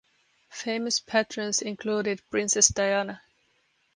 Famous patrons included Princess Diana.